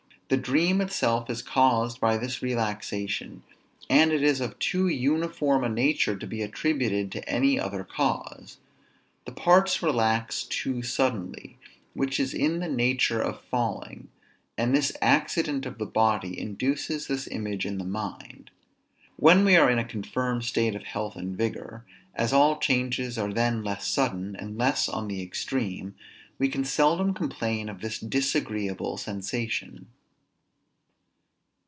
The dream itself is caused by this relaxation; and it is of too uniform a nature to be attributed to any other cause. The parts relax too suddenly, which is in the nature of falling; and this accident of the body induces this image in the mind. When we are in a confirmed state of health and vigor, as all changes are then less sudden, and less on the extreme, we can seldom complain of this disagreeable sensation.